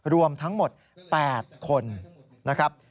รวมทั้งหมด๘คนนะครับ